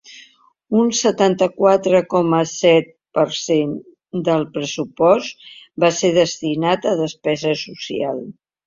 Un setanta-quatre coma set per cent del pressupost va ser destinat a despesa social.